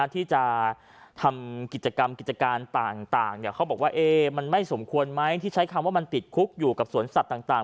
ที่จะทำกิจกรรมกิจการต่างเขาบอกว่ามันไม่สมควรไหมที่ใช้คำว่ามันติดคุกอยู่กับสวนสัตว์ต่าง